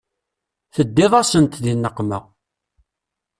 Teddiḍ-asent di nneqma.